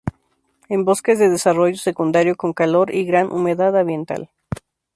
En bosques de desarrollo secundario, con calor y gran humedad ambiental.